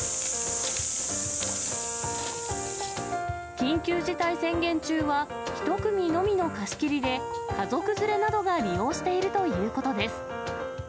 緊急事態宣言中は、１組のみの貸し切りで、家族連れなどが利用しているということです。